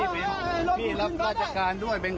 ไม่รู้ไม่บอก